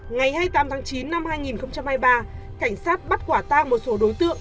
ngày hai mươi tám tháng chín năm hai nghìn hai mươi ba cảnh sát bắt quả tang một số đối tượng